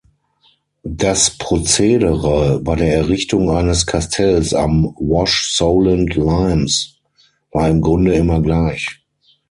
Das Prozedere bei der Errichtung eines Kastells am Wash-Solent-Limes war im Grunde immer gleich.